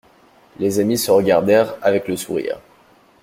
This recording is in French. Les amis se regardèrent avec le sourire.